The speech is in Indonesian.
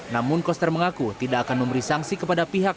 namun koster mengaku tidak akan memberi sanksi kepada pihak